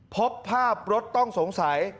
พบภาพรถต้องสงสัย